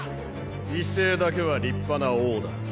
威勢だけは立派な王だ。